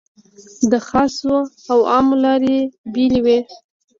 د خاصو او عامو لارې بېلې وې.